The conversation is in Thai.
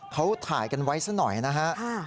เขาถ่ายกันไว้ซะหน่อยนะฮะ